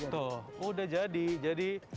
tuh udah jadi